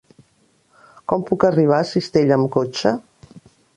Com puc arribar a Cistella amb cotxe?